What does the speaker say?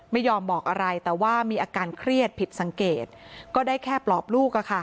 ไม่ยอมบอกอะไรแต่ว่ามีอาการเครียดผิดสังเกตก็ได้แค่ปลอบลูก